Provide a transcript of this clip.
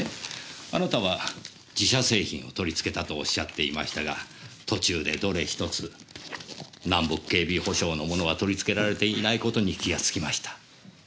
あなたは自社製品を取りつけたとおっしゃっていましたが途中でどれ１つ南北警備保障のものは取りつけられていない事に気がつきました。